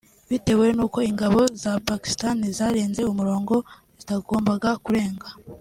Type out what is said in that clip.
bitewe n’uko ingabo za Pakistan zarenze umurongo zitagombaga kurenga